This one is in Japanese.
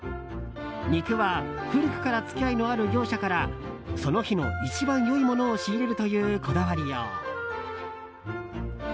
肉は古くから付き合いのある業者からその日の一番良いものを仕入れるというこだわりよう。